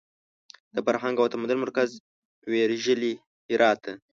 د فرهنګ او تمدن مرکز ویرژلي هرات ته!